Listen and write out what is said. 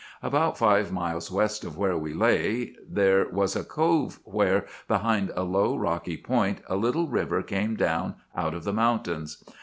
"About five miles west of where we lay, there was a cove where, behind a low, rocky point, a little river came down out of the mountains.